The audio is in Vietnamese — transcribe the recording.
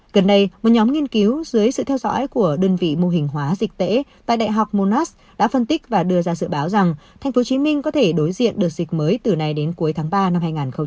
gần đây một nhóm nghiên cứu dưới sự theo dõi của đơn vị mô hình hóa dịch tễ tại đại học monos đã phân tích và đưa ra dự báo rằng tp hcm có thể đối diện đợt dịch mới từ nay đến cuối tháng ba năm hai nghìn hai mươi